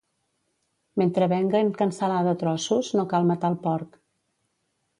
Mentre venguen cansalada a trossos, no cal matar el porc.